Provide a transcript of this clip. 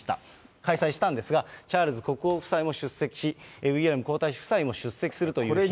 開催したんですが、チャールズ国王夫妻も出席し、ウィリアム皇太子夫妻も出席するという日。